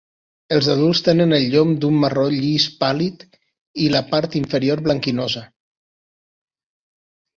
Els adults tenen el llom d'un marró llis pàl·lid i la part inferior blanquinosa.